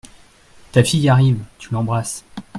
Ta fille arrive, tu l’embrasses…